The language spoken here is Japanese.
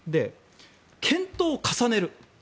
検討を重ねる。